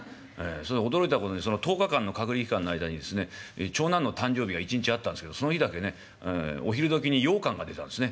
それで驚いたことに１０日間の隔離期間の間にですね長男の誕生日が一日あったんですけどその日だけねお昼どきにようかんが出たんですね。